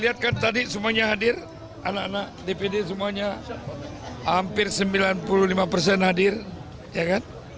lihat kan tadi semuanya hadir anak anak dpd semuanya hampir sembilan puluh lima persen hadir ya kan